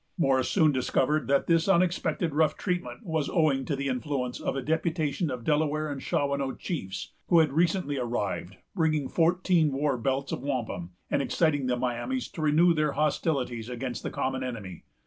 Morris soon discovered that this unexpected rough treatment was owing to the influence of a deputation of Delaware and Shawanoe chiefs, who had recently arrived, bringing fourteen war belts of wampum, and exciting the Miamis to renew their hostilities against the common enemy.